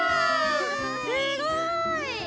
すごい！